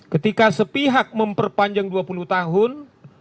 ketika sepihak memperpanjang dua puluh tahun